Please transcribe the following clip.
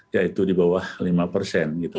yaitu di bawah lima persen gitu